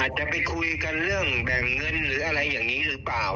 จะไปคุยกันเรื่องแบ่งเงินหรืออะไรอย่างนี้หรือเปล่า